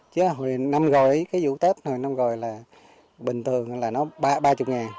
chứ hồi năm rồi vụ tết hồi năm rồi là bình thường là ba mươi ngàn